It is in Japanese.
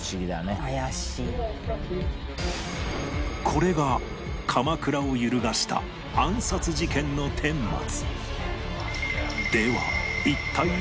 これが鎌倉を揺るがした暗殺事件の顛末